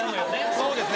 そうですね。